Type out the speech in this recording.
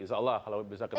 insya allah kalau bisa ketemu